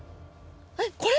えっこれ？